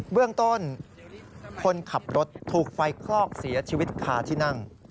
เบื้องต้นคนขับรถถูกไฟคลอกเสียชีวิตคาที่นั่ง